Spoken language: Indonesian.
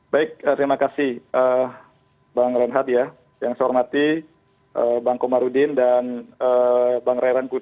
baik terima kasih bang renhad ya yang saya hormati bang komarudin dan bang ray rangkuti